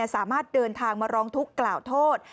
สามารถเดินทางมาร้องทุกข์กล่าวโทษ